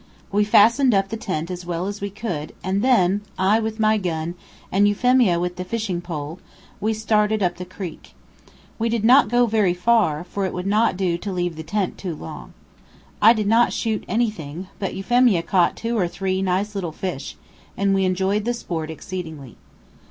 We fastened up the tent as well as we could, and then, I with my gun, and Euphemia with the fishing pole, we started up the creek. We did not go very far, for it would not do to leave the tent too long. I did not shoot anything, but Euphemia caught two or three nice little fish, and we enjoyed the sport exceedingly.